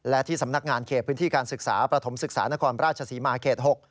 และที่สำนักงานเขตพื้นที่การศึกษาประถมศึกษานครราชศรีมาเขต๖